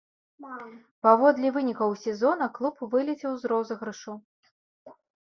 Паводле вынікаў сезона клуб вылецеў з розыгрышу.